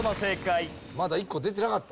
まだ１個出てなかった。